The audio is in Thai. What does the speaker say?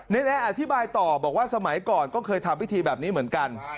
แอร์อธิบายต่อบอกว่าสมัยก่อนก็เคยทำพิธีแบบนี้เหมือนกัน